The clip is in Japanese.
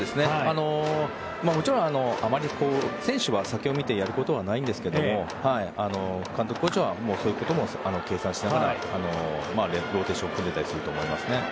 もちろん、あまり選手は先を見てやることはないんですけど監督、コーチはそういうことも計算しつつローテーションを組んでたりすると思いますね。